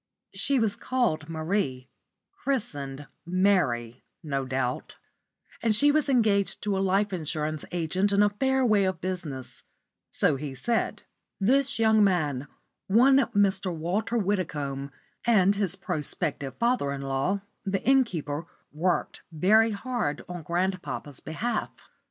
She was called Marie christened Mary no doubt and she was engaged to a life insurance agent in a fair way of business so he said. This young man one Mr. Walter Widdicombe and his prospective father in law, the innkeeper, worked very hard on grandpapa's behalf.